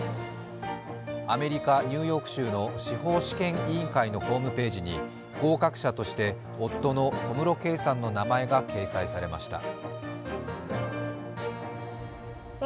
アメリカ・ニューヨーク州の司法試験委員会のホームページに合格者として夫の小室圭さんの名前が掲載されました。